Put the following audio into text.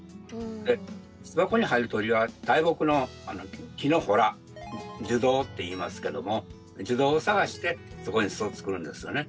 巣箱に入る鳥は大木の木の洞樹洞っていいますけども樹洞を探してそこに巣を作るんですよね。